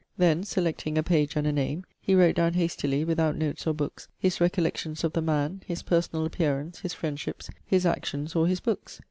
Then, selecting a page and a name, he wrote down hastily, without notes or books, his recollections of the man, his personal appearance, his friendships, his actions or his books.